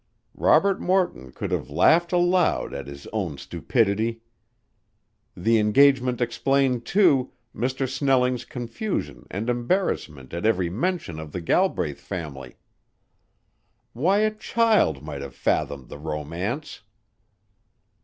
Robert Morton could have laughed aloud at his own stupidity. The engagement explained, too, Mr. Snelling's confusion and embarrassment at every mention of the Galbraith family. Why, a child might have fathomed the romance!